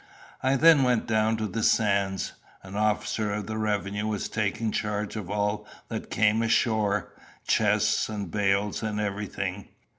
I then went down to the sands. An officer of the revenue was taking charge of all that came ashore chests, and bales, and everything.